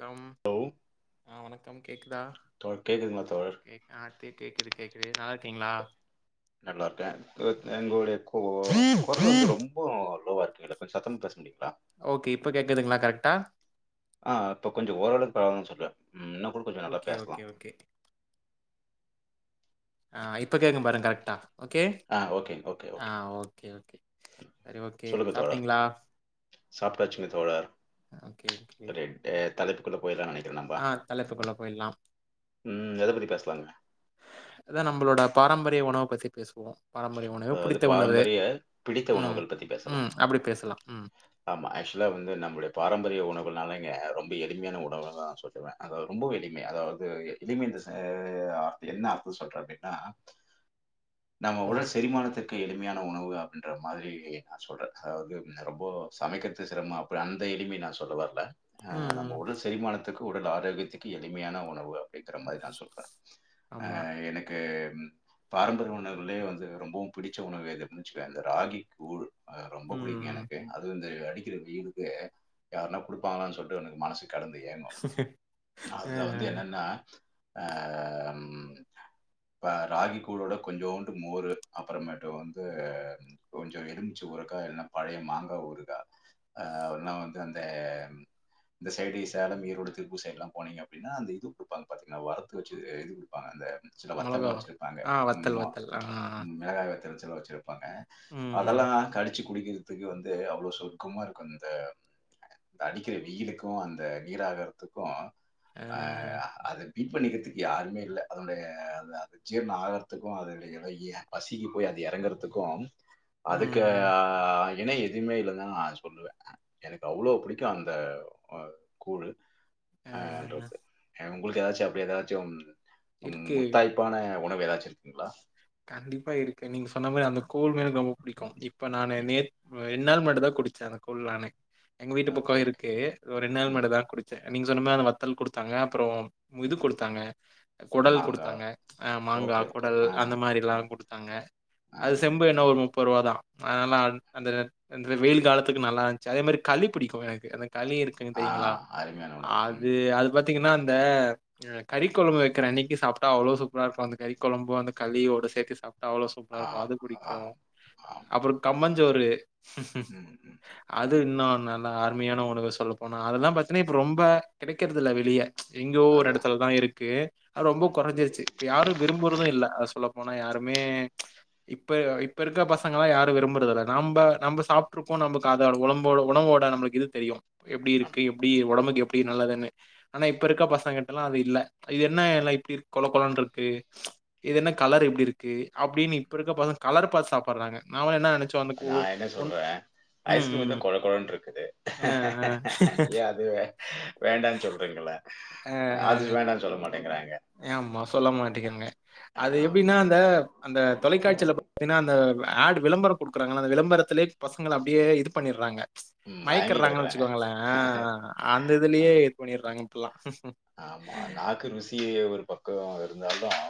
Come hello அ வணக்கம் கேக்குதா தோழர் கேக்குதுங்களா தோழர் கே அ கேக்குது கேக்குது நல்லா இருக்கீங்ளா நல்லாருக்கே எங்கு டே கோ ரொம்போ லோவாருக்கு இல்ல கொஞ்ச சத்தமா பேச முடியுங்ளா ஓகே இப்ப கேக்குதுங்ளா கரெக்டா ஆ இப்ப கொஞ்ச ஓரளவுக்கு பரவாலன் சொல்வ ம் இன்னங் கூட கொஞ்ச நல்லா ஓகே பேசலா ஓகே ஓகே ஆ இப்ப கேக்கும் பாருங் கரெக்டா ஓகே ஆ ஓகே ஓகே ஆ ஓகே ஓகே சரி ஓகே சாப்டிங்ளா சாப்பிட்டாச்சுங்க தோழர் ஓகே கே சரி டே- தலைப்புக்குள்ள போயர்லான் நெனை ஆ தலைப்புக்குள்ள போயிர்லா ம் எத பத்தி பேசலாங்க அதா நம்பளோட பாரம்பரிய உணவு பசிக்குஸ் பாரம்பரிய உணவு அதாவது பிடித்த உணவு பாரம்பரிய பிடித்த ம் உணவுகள் பத்தி பேசலாம் ம் அப்டி பேசலா ம் ஆமா ஆக்சுவ்லா வந்து நம்முளுடைய பாரம்பரிய உணவுனாலைங்க ரொம்ப எளிமையான உணவதா சொல்லுவ அதா ரொம்ப எளிமையா அதாவ்து எளிம இந்த செ அ என்ன அர்த்த சொல்ற அப்டினா நம்ம ம் உடல் செரிமானத்திற் கு எளிமையான உணவு அப்டின்ற மாதிரி நா சொல்ற அதாவ்து ரொம்போ சமைக்கெற்து சிரம்மா அப்டி அந்த எளிமை நா சொல்ல வர்ல ஆ ம் நம்ம ம் உடல் செரிமான த்துக்கு உடல் ஆரோக்கியத்துக்கி எளிமையான உணவு இக்ற மாரி நா சொல்றே அ ஆமா எனுக்கு ம் பாரம்பரிய உணவுகள்லியே வந்து ரொம்பவும் பிடிச்ச உணவு எது அப்பின் வெச்சுக்கே இந்த ராகி கூழு அது ரொம்ப ம் பிடிக்கு ம் எனக்கு இந்தவி அடிக்கிற வெயிலுக்கு யார்னா குடுப்பாங்களான் சொல்ட்டு எனக் மனசுக் கடந்து ஏங்கு அ அதுல வந்து என்னன்னா அ ம் ப்ப ராகி கூழோட கொஞ்சோண்டு மோரு அப்புறமேட்டு வந்து கொஞ்சோ எலுமிச்சு ஊரக்கா இல்ன்னா பழைய மா கா ஊருகா அ வல்னா வந்து அந்த இந்த சைடிஸ் சேலம் ஈரோடு திருப்பூர் சைடு எல்லாம் போனீங்க அப்பிடின்னா அந்த இது குடுப்பாங்க பாத்தீங்னா வறத்து வெச்சு இது குடுப்பாங்க அந்த சில மொளகா வத்தல்லா வெச்சிருப்பாங்க ஆ வத்தல் ம்மா வத்தல் ஆ மிளகாய் வத்தல்ஸ் எல்லா வெச்சிருப்பாங்க ம் அதெல்லா கடிச்சு குடிக்கிறதுக்கு வந் து அவ்ளோ சொர்க்கமா இருக்கு அந்த அடிக்கிற வெயிலுக்கூ அந்த நீராகரத்துக்கூ அ அ அது பீட் பண்ணிக்கித்துக்கு யாருமே இல்ல அதனுடைய அத அது ஜீர்ணோ ஆகறதுக்கூ அதனுடைய இளகிய பசிக்கி போய் அது எறங்கறதுக்கு அதுக்கு ம். அ அ அ ய் திணை அரி திமே இல்லதா ஆ சொல்லுவே எனக்கு அவ்ளோ புடிக்கு அந்த அ கூழு அ என்றது எ உங்ளுக்கு எதாச்சு அப்டி எதாச்சும் ம் இருக்கு. முத்தாய்ப்பான உணவு எதாச்சி இருக்குங்ளா கண்டிப்பா இருக்கு நீங் சொன்னா மாரி அந்த கூழ்னா எனக் ரொம்ப புடிக்கும் இப்ப நானு நேத் அ ரெண்ணால் முன்னாடிதா குடிச்சே அந்த கூழ் நானு எங்க வீட்டு பக்கோ ஓகே. இருக்கு ஒர் ரெண் நாள் ஓகே ம். முன்னாட தா குடிச்சே அ நீங்க சொன்ன மார் அந்த வத்தல் குடுத்தாங்க அப்றொம் மிது குடுத்தாங்க கொடல் மாங்கா. குடுத்தாங்க அ மாங்கா ஓகே, ஓகே. கொடல் ஆ. அந்த மாரி எல்லா அ, குடுத்தாங்க அ, அது ம். செம்பு என்ன ஒரு முப்புருவா தா ஆனால் அந்த நெ இந்த வெயில் காலத்துக்கு நல்லா இஞ்சா அதே மாரி களிப் பிடிக்கு எனக்கு என களி இருக்குங் ஆ தெரிங்களா அருமையான உணவு. ம். அது அது பத் த்திங்கன்னா அந்த அ கறி கொழம்பு வெக்கிற அன்னிக்கி சாப்ட்டா அவ்ளோ சூப்பராருக்கு அந்த கறி கொழம்பு அந்த களியோடு சேத்து சா அவ்ளோ சூப்ரா ஆ, இருக்கு அது ஆ. புடிக்கு ஆமா. அப்றோ கம்மஞ் ஜோறு ம், ம், அது ம். இன்னு ந அ அருமையான உணவு சொல்ல போனா அதெல்லாம் பாத்தீனா இப்ப ரொம்ப கிடைக்கறதில்ல வெளிய எங்யோ ஓர் அதுதான். எடத்துலதா இருக்கு அ ரொம்போ ம். கொறஞ்சிரிச்சி இப்ப யாரு விரும்புறது இல்ல அஸ் சொல்லப்போனா யாருமே இப்ப இப்ப இருக்க பசங்கெல்லாம் யாரும் விரும்பறதில்லை நம்ப நம்ப சாப்ட்ருக்கோம் நம்ப அத உடம்போட உணவோட நம்பளுக்கு இது தெரியும் எப்டி ஆமா, இருக்கு எப்டி ஒடம்புக்கு எப் டீ நல்லா தானே ஆனா இப்ப ஆமா. இருக்க பசங் கிட்டல்லாம் அது இல்ல இது என்னெ எல்லா இப்டி கொழ கொழன்ட்ருக்கு கலர் இப்டி இருக்கு அப்டின்னு இப்ப இருக்க பசங்க கலரு பாத் சாப்பறாங்க நா என்ன சொல்றேன் ம், ஐஸ்கிரீம்தா ம். கொழ கொழன்ட்ருக்குது அ, ஏன் அது வே வேண்டான்னு சொல்றீங்களா அது வேண்டான்னு சொல்ல மாட்டேங்கிறாங் ஏம்மா சொல்ல மாட்டேங்காங்க அது எப்டின்னா ஆமா. அந்த அந்த தொலைக்காச்சில பாத்தீஙகன்னா அந்த ஆட் விளம்பர குடுக்குறாங்கல்ல அந்த விளம்பரத்துலேய் பசங்கள அப்டியே இது பண்ணீர்றாங்க ம் மயங்கி மயக்கிர்றாங்கன்னு கெடக்குறாங்க. வெச்சுக்கோங்களேன் அந்த இதுலயே இது பண்ணிட்றாங்க க்ளா ஆம்மா நாக்கு ருசியெ ஒரு பக்கம் இருந்தால்தான்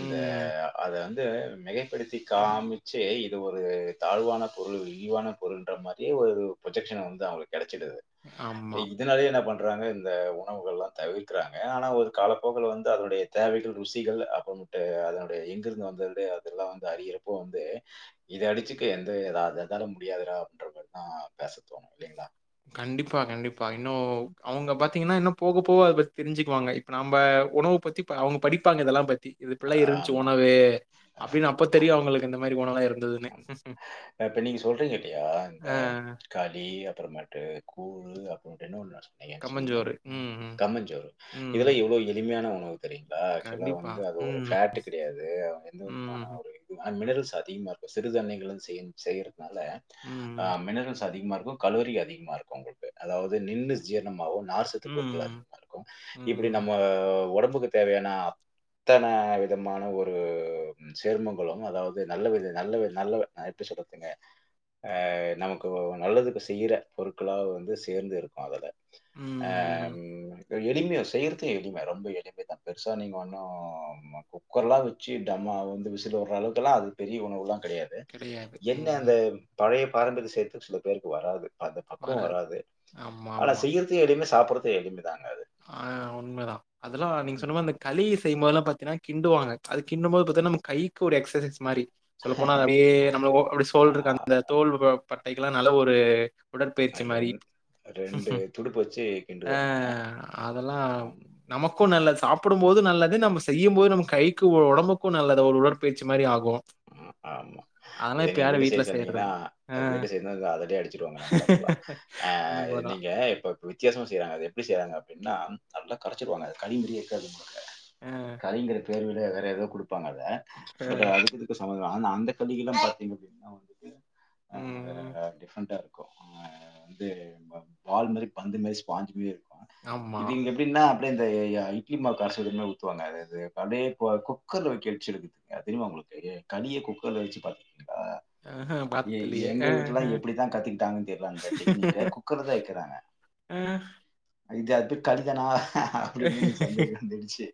இந்த ம். அது வந்து இது மிகைப்படுத்தி காமிச்சு இது ஒரு தாழ்வான பொருள் இழிவான பொருன்ற மாதிரியே ஒரு பு்ரொஜெக்ஷனை வந்து அவங்களுக்கு கிடைச்சிடுது ஆமா. இதனாலயே என்ன பண்ற தாங்க இந்த உணவுகள் எல்லாம் தவிர்க்கிறாங்க ஆனா ஒரு காலப்போக்கல வந்து அதனுடைய தேவைகள் ருசிகள் அப்புறமட்டு அதனுடைய எங்கிருந்து வந்தது அதெல்லாம் வந்து அறிகிறப்போ வந்து இதை அடிச்சுக்க எந்த எதாவ எதால முடியாதுடா அப்படின்ற மாதிரிதான் பேச தோணும் இல்லைங்களா கண்டிப்பா கண்டிப்பா ப்ப இன்னும் அவங்க பத்த ன்னா என்ன போக போக அதபத்தி தெரிஞ்சுக்குவாங்க இப்ப நம்ம உணவு பத்தி அவங்க படிப்பாங்க இதெல்லாம் பத்தி இப்படியெல்லாம் இருந்துச்சு ஆமா. உணவு அ, அப்படின்னு அப்ப ஆ. தெரியும் ஆமா. அவங்களுக்கு இந்த மாதிரி உணவு இரு அ தானேம் [inaudible] இப்ப நீங்க சொல்றீங்க இல்லையா இந்த கலி மாட்டட்டு கூழ் அப்படின்ன ஒ [unintelligible] நீங்க என்ன சொன்னீங்க கம்மஞ்சோறு. ம், ம். கம்மஞ்சோரு ம். இதுலல்லாம் எவ்வளவு எளிமையான தரி [inaudible] க்சுவலா கண்டிப்பா. வந்து அது ஒரு ம். ஃபேட் கிடையாதுங்க எந்த விமான ம். ஒரு இ மினரல் ச அதிகமாக இருக்கும் சிறுதானியங்கள் செய்ய செய்யற [inaudible] ம். அது மினரல்ஸ் அதிகமா இரு கலோரி அதிகமா இருக்கும் உங்களுக்கு அதாவது நின்று ஜீரணமாகும் நார்சத்து பொருட்கள் ம். அதிகமா இருக்கும் இப்படி ம். நம்ம உடம்பு க்கு தேவையான அத்தன விதமான ஒரு சேர்மங்களும் அதாவது நல்ல வி நல்ல நல்ல நாயட்டு சொல்லறதுங்க ஆஹ் நமக்கு நல்லதுக்கு செய்யிற பொருட்களாக வந்து சேர்ந்து இருக்கும் அதுல ம். அஹ் எளிமையை செய்யறத எளிம ரொம்ப எளிம தான் பெருசா நீங்க ஒண்ணும் குக்கர் லாம் வச்சு டம்மா வந்து விசில் வற அளவுக்குல்லாம் அது பெரிய உணவுலாம் கிடையாது கிடையாது. என்ன அந்த ம். பழைய பாரம்பரிய சேத்து சில பேருக்கு வராது அந்த பக்குவம் வராது ஆனா செய்யறது எளிமே சாப்படுற எதுமே ஆஹ் உண்மைதான் அதெல்லாம் நீங்க ம். சொன்னமாரி அந்த கலி செய்யபோதுல்லாம் பாத்தீன்னா கிண்டுவாங்க அது கிண்டும்போது பாத்தீன்னா நம கைக்கு ஒரு எக்சசைஸ் மாதிரி சொல்லப்போனா அப்டியே நம்மள அப்படி சோல் இருக்க அந்த ஆ தோல் பட்டைக்கு எல்லாம் நல்ல ஒரு உடற்பயிற்சி மாதிரி ரெண் துடுப்பு வச்சு கிண்டுவாங்க. ஆஹ் அதெல்லாம் ஆமா, நமக்கு க்கும் நல்லது சாப்பிடும்ப போதும் நல்லது நம்ம செய்யும் போது நம்ம கைக்கு உடம்புக்கும் நல்லது ஒரு உடற்பயிறி மாதிரி ஆகும் ஆமா அதெல்லாம் இதை இப்ப நீங்க யாரும் வீட்ல செய்ய சொன்னீங்கன்னா செய்றதில்ல. அ வீட்டு சைடுல இருந்து அடிச்சிட்டுவாங்க நம்மள அப்பலாம் அஹ் உண்மதான். நீங்க இப்ப வித்தியாசம் செய்யறாங்க அது எப்படி செய்றாங்க அப்டின்னா நல்லா கரைச்சிவாங்க அ, [inaudible] கலிங்குற பேர்ல வேற ஏதாவோ கொடுப்பாங்க அத அ. [unintelligible] ம். ஆஹ் டிஃப்ரெண்டா இருக்கும் வந்து பால்மாதிரி பந்து மாதிரி ஸ்பாஞ்சு மாறி இருக்கும் இது ஆமா. இங்க எப்டின்னா அப்படி இந்த இட்லி மாவு காசு [unintelligible] எதுவுமே ஊத்துவாங்க அது அப்படியே குக்கர்ல [unintelligible] இருக்குதுங்க தெரியுமா உங்களுக்கு களிய குக்கர்ல வச்சு பார்த் அஹ் ஆஹா, பார்த்ததில்லையே எங்க வீட்டு ஆஹா. எல்லாம் எப்படித்தான் கத்தக்கிட்டாங்கன்னு தெரியல அந்த டெக்னிக்க குக்கர் தான் வைக்கிறாங்க ஆஹ். இது அது [unintelligible] நாள் அப்படின்னு சந்தேகம் வந்துடுச்சு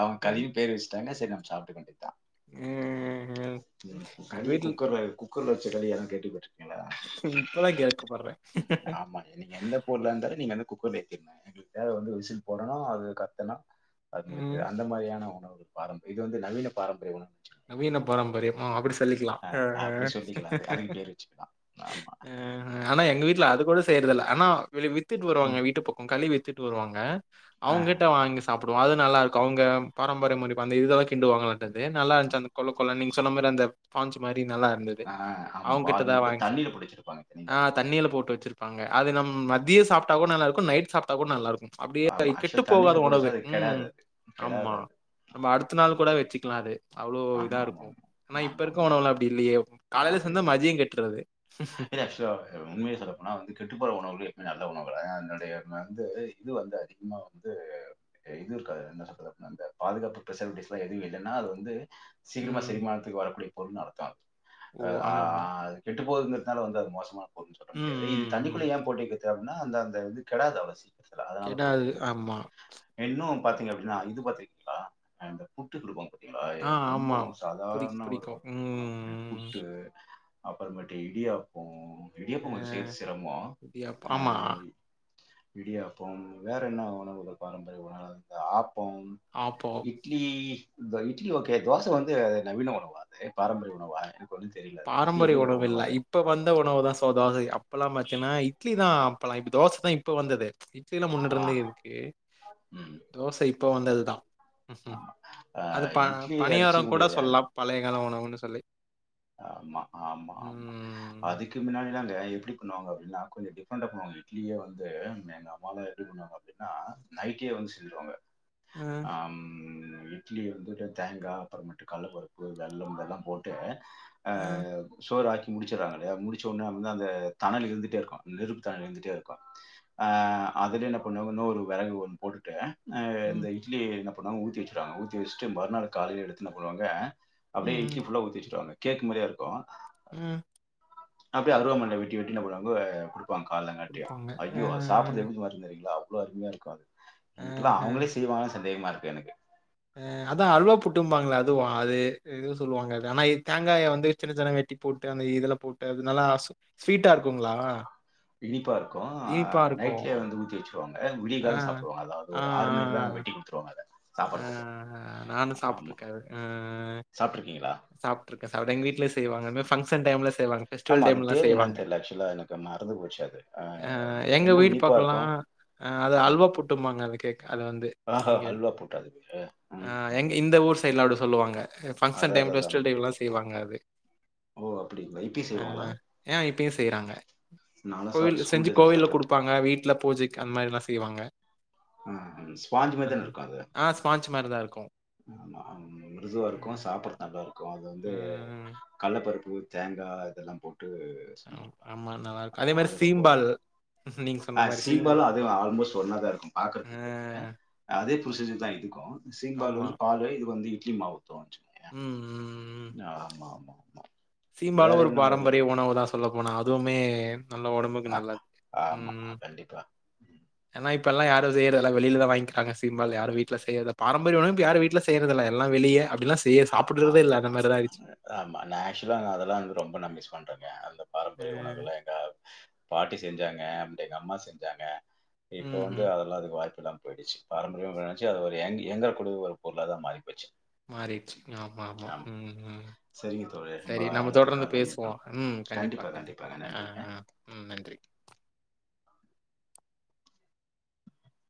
அவன் களி பேர் வச்சு [unintelligible] சாப்பிட்டுக்க வேண்டியது தான் ஆஹ். எங்க களிய வீட்ல குக்ர்ல்ல இருக்கும் குக்கர்ல வச்சு [unintelligible] கெட்டுப் போச்சு இப்பதான் [unintelligible] குக்கர் [unintelligible] மேல வந்து விசில் போடணும் அது கத்தனும் அது ம், முடிஞ்சது அந்த மாரியான உணவு பாரம்பரியம் இது வந்து நவீன பாரம்பரிய உணவு நவீன பாரம்பரியமோ அப்டி சொல்லிக்கலாம் அ அப்படி ஆஹ் சொல்லிக்கலாம் அது. அதுக்கு பேர் வச்சுக்கலாம். ஆமா. ஆஹ் ஆனா எங்க வீட்ல அது கூட செய்யறதில்ல ஆனா விளைவி வித்திட்டு வருவாங்க ம். வீட்டு பக்கோ களி வித் வித்துட்டு வருவாங்க ஆ. அவுங்ககிட்ட வாங்கி சாப்டுவோம் அத நல்லாருக்கும் அவுங்க பாரம்பரிய முறைப்படி அந்த இதுல்லாம் கிண்டுவாங்க வான்டு வந்து நல்லா இரு ஆ, ஆமா. அந்த கொலகொலன்னு நீங்க சொன்ன மாறி அந்த பான்சு மாரி நல்லா இருந்தது ஆ ஆமா. அவுங்ககிட்ட பால் தான் மாரி வாங்கி சாப் தண்ணீல புடிச்சிருப்பாங்க. தெரியுங்களா அது? ஆஹ் தண்ணில போட்டு வச்சிருப்பாங்க அது நம்ப ஆமா. மதியம் சாப்ட்டா கூட நல்லா இரு கு நைட் சாப்ட்டா கூட நல்லாருக்கும் ஆமா. அப்டியே கெட்டு ஆக்சுவலா தண்ணீல போகாத போட்டுச்சா உணவு அது உம் கெடாது அது. கெடாது ஆமா அது. நம்ம ஆமா. அடுத்த நாள் கூட ம். வச்சுக்கலாம் அது அவ்ளோ இதா ஆமா, ஆமா, இருக்கும் ஆமா. ஆனா இப்ப ஆமா, இருக்க ஆமா. உணவெல்லாம் அப்டி இல்லயே காலேல அப்படி செஞ்சா கிடையாது. மதியம் கெட்ரூது இல்ல ஆக்சுவலா உண்மய ஒரு சொல்லப்போனா வந்து கெட்டுப் போற உணவுலயே [unintelligible] நல்ல உணவுகள அதனுடைய ம வந்து இது அந்த [unintelligible] வந்து இது க என்ன சொல்றது அப்டினா அந்தப் பாதுகாப்பு ஃபெசலிட்டிஸ்ல்லா எதும் இல்லன்னா அது வந்து சீக்கிரமா ம். செரிமானத்துக்கு வரக்கூடிய பொருள்னு அர்த்தோ ஓ அஹ் ஆமாமா. அஹ் அது [unintelligible] கெட்டுப் போகுதுங்கிறதுனால வந்து அது மோசமான பொருள்னு சொல்ல ம், முடியாது இது ம், ம். தனிக்குள்ள ஏன் போட்டு வைக்கிறது அப்டின்னா அந்த அந்த இது கெடாது அவ்ளோ சீக்கர கெடாது ஆமா இன்னும் பாத்தீங்க அப்டின்னா இது பாத்துறுக்கீங்ளா இந்த புட்டு குடுப்பாங்க பாத் றுங்களா ஆ ஆமா. ரொம்பவு புடிக் சாதாரண ஒரு புடிக்கும். உணவு ம். புட்டு அப்பறமேட்டு இடியாப்போம் அ இடியாப்போ கொஞ்சோ செய்ரது சிரமோ இடியாப்பம். ஆமா. அஹ் இடியாப்போம் வேற என்ன உணவுகள் பாரம்பரிய உணவு இந்த ஆப் போம் ஆப்போ இட்லி இந்த இட்லி ஓகே தோச வந்து நவீன உணவா அது பாரம்பரிய உணவா ஒன்னு தெரில பரிய உணவு இல்ல இப்ப வந்த உணவு தான் சோ தா அது இப்பெல்லாம் பாத்திங்கன்னா இட்லி தான் அப்பல்லாம் இப் தோச தான் இப்ப வந்தது ச் இட்லிலா முன்னட ஆ. இருந்தே இருக்கு ம். தோச இப்போ வந்ததுதான் ஆமா. அ அது ப இட்லி அடிச்சுக்க பணியாரம் கூட முடியாது. சொல்லலாம் பழைய கால உணவுன்னு சொல்லி ஆமா ஆமா ஆமா ம். அதுக்கு முன்னாடிலா எப்படி பண்ணுவாங்க அப்படின்னா கொஞ்சம் டிஃப்ரெண்டா பண்ணுவாங்க இட்லியே வந்து எங்க அம்மாலாம் எப்படி பண்ணுவாங்க அப்படின்னா நைட்டே வந்து செஞ்சருவாங்க அ, ஆம் இட்லி வந்துட்டு தேங்காய் அப்புறமட்டு கடலப்பருப்பு வெள்ளம் இதெல்லாம் போட்டு அ, அஹ் சோராக்கி முடிச்சறாங்கலா இல்லையா முடிச்ச உடனே வந்து அந்த தனல் இருந்துகிட்டே இருக்கும் நெருப்பு தனல் இருந்துகிட்டே இருக்கும் அதுலே என்ன பண்ணுவாங்க இன்னொரு வெரகு ஒன்னு போட்டு இந்த ம், இட்லி போனா ஊத்தி வச்சவாங்க ஊத்தி வச்சுட்டு மறுநாள் காலையில எடுத்து என்ன பண்ணுவாங்க அப்படியே ம், இட்லி ஃபுல்லா ஊத்தி வச்சுருவாங்க கேக்கு மாறியே இருக்கும் உஹம் அப்படியே அருவாமண்ண வெட்டி வெட்டி என்ன பண்ணுவாங்க காலங்கட்டி குடுப்பாங்க. அ, ஐயோ அத சாப்பறது எப்படி இருக்கு தெறீங்களா ரொம்ப அருமையா இருக்கு அ, இடல்லாம் அவங்களே செய்வாங்க சந்தேகமா இருக்கு எனக்கு அஹ் அதான் அல்வா புட்டுபாங்களே அதுவும் அது எதுவும் சொல்லுவாங்க ஆனா தேங்காய வந்து சின்ன சின்ன வெட்டி போட்டு அந்த இதுல போட்டு அது நல்லா ஸ்வீட்டா இருக்குங்களா இனிப்பா இனிப்பா இருக்கும்ஹ் இருக்கும். நைட்லயே வந்து ஊத்தி வச்சு ங்க விடிய ஆ, காலைல சாப்பிடுவாங்க அதாவது ஒரு ஆறு மணிக்குல்லா வெட்டி கொடுத்துவாங்க அதை சாப்பிட்றதுக்கு ஆஹ் நானும் ஆமா சாப்பட்டுருக்கே உஹ் சாப்பிட்ருக்கீங்களா சாப்பிட்டுருக்க சாப்ட எங்க வீட் வீட்லயே செய்வாங்க ஃபங்சன் டைம்ல செய்வாங்க ஆமா பெஸ்டிவல் அது டைம் ல பேர் என்னன்னு செய்வாங்க தெரியல ஆக்சுவலா எனக்கு மறந்து போச்சு அது ஆஹ் அஹ் எங்க ரொம்ப வீடு இனிப்பா இருக்கும் பக்கலாம் அத ம். அல்வா புட்டும்பாங்க அது வந்து இங்க போட்டாது ஆ எங்க உம்ம் இந்த ஊர் சைட்லாம் அப்டி சொல்லுவாங்க ஃபங்சன் டைம் பெஸ்டிவல் டைம் செய்வாங்க ஓ அப்படிங்களா இப்பி செய்வாங்களா அது செய்றாங்க நானும் கோவில் சாப்பிட்டு ஸ்கூல் செஞ்சு டேஸ்ல கோவில்ல சாப்பிட்டது குடுப்பாங்க வீட்டு வீட்ல பூஜைக்கு அந்த மாதிரிலாம் செய்வாங்க ஆஹ் ஸ்பாஞ்ச் மாரி அந் தான இருக்கும் அது ஸ்பாஞ்ச் மாரிதான் இருக்கும் ஆமா மிருதுவா இருக்கும் சாப்டுற நல்லா இருக்கும் அது அ வந்து ம். கள்ளப்பருப்பு தேங்கா இதெல்லாம் போட்டு ஆமா, அது ஆமா நல்லாருக்கும். அதே மாரி அது ரொம்ப சீம்பால் நீங்க சொன்ன மாரி சீம்பால். சீம்பால அது ஆல்மோஸ்ட் ஒன்ன தான் இருக்கும் ஆ பாக்கறதுக்கு அதே புரோசிஜர் தா இதுக்கு சீம்பால் வந்து பாலு இது வந்து இட்லி மாவு ஊத்துவாங்க உஹம் உம் ம்ம் சீம்பாலும் ஒரு பாரம்பரிய உணவுதான் சொல்ல போனா அதுவுமே நல்ல உடம்புக்கு அ நல்லது ஆமா, உஹம் கண்டிப்பா. ம். ஏன்னா இப்பல்லாம் யாரும் செய்றது இல்ல வெளில தான் வாங்கிக்குறாங்க சீம்பால் யாரும் வீட்ல செய்றது இல்ல பாரம்பரியமா வீட்ல செய்றது இல்ல எல்லாம் வெளிய அப்படிலாம் செய்ய ஹ சாப்பிடுறதே இல்ல ஆமா அந்த மாரிதான் ஆயிடுச்சு ஆமா நான் ஆக்சுவலா அதெல்லாம் வ ரொம்ப நம்பிஸ் பண்றேங்க அந்த பாரம்பரிய ம் உணவுல எங்க பாட்டி செஞ்சாங்க அப்படி எங்க அம்மா செஞ்சாங்க இப்ப ம் வந்து ம் அதெல்லாம் அதுக்கு வாய் பலாம் போயிடுச்சு பாரம்பரியம் வெனச்சு அத ஒரு எங் எங்க குடுவ பொருளாதா மாறி போச்சு மாறிச்சு ஆமா ஆமா உம் உம் சரிங்க தோழரே. நம்ப சரி நம்ம அடுத்த தொடர்ந்து கால்ல மீட் பேசுவோம் பண்ணலாம். உம் கண்டிப்பா கண்டிப்பா கண்டிப்பாங்க. நன்றி. ஆஹ்ஹ் உம் நன்றி